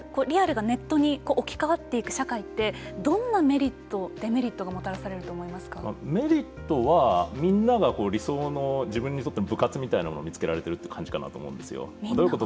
リアルがネットに置き換わっていく社会ってどんなメリット、デメリットがメリットはみんなが理想の自分にとっての部活みたいなものを見つけられてるって感じなのかなと思うんですよ。